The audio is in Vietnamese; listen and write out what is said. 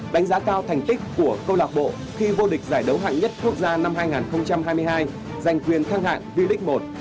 đánh giá cao thành tích của câu lạc bộ khi vô địch giải đấu hạng nhất quốc gia năm hai nghìn hai mươi hai giành quyền thăng hạng vlic một